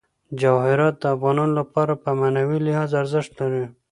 جواهرات د افغانانو لپاره په معنوي لحاظ ارزښت لري.